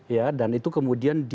ya dan itu kemudian